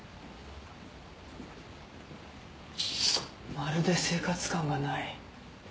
まるで生活感がない。